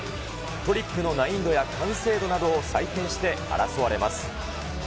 トリックの難易度や、完成度などを採点して、争われます。